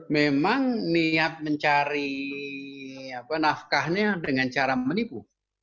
memang niat mencari nafkahnya dengan cara menipu